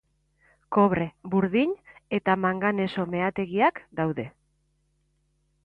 Kobre-, burdin- eta manganeso-meategiak daude.